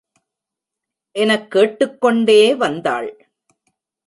எனக் கேட்டுக் கொண்டே வந்தாள்.